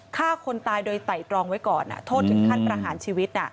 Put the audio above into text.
ฆ่าคนตายโดยไต่ตรองไว้ก่อนโทษถึงขั้นประหารชีวิต